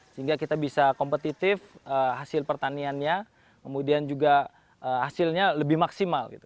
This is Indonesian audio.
sehingga kita bisa kompetitif hasil pertaniannya kemudian juga hasilnya lebih maksimal gitu